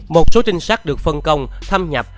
một số trinh sát được phân công thâm nhập